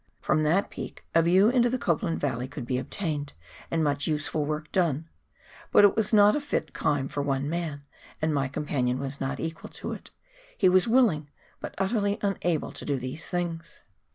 From that peak a view into the Copland Valley could be obtained and much useful work done, but it was not a fit climb for one man, and my companion was not equal to it ; he was willing but utterly unable to do these things.